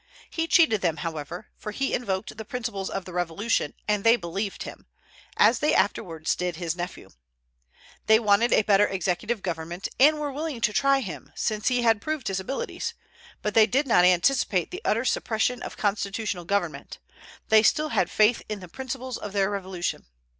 He cheated them, however; for he invoked the principles of the Revolution, and they believed him, as they afterwards did his nephew. They wanted a better executive government, and were willing to try him, since he had proved his abilities; but they did not anticipate the utter suppression of constitutional government, they still had faith in the principles of their Revolution.